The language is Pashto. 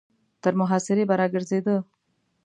تر محاصرې به را ګرځېده.